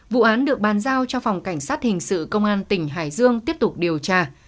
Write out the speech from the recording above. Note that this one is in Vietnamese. vụ án được bàn giao cho phòng cảnh sát hình sự công an tỉnh hải dương tiếp tục điều tra